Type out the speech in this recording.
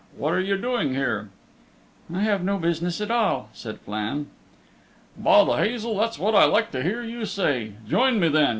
What are you doing here?" "I have no business at all," said Flann. "By the Hazel! that's what I like to hear you say. Join me then.